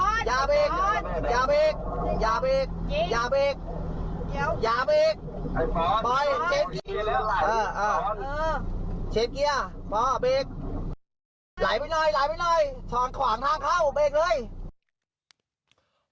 อุ๊ยปอล์น